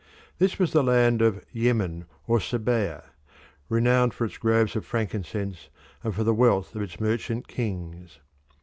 This was the land of Yemen or Sabaea, renowned for its groves of frankincense and for the wealth of its merchant kings.